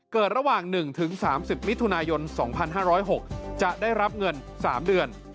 เกิดระหว่าง๑๓๐มิถุนายน๒๕๐๖จะได้รับเงิน๓เดือน